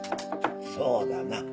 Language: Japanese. そうだな。